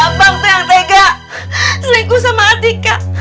abang tuh yang tega selingkuh sama andika